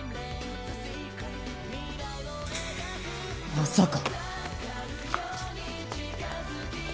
まさか！